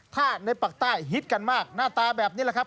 ถ้าในปากใต้ฮิตกันมากหน้าตาแบบนี้แหละครับ